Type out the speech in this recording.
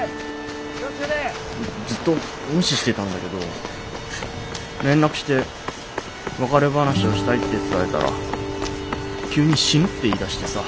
ずっと無視してたんだけど連絡して別れ話をしたいって伝えたら急に死ぬって言いだしてさ。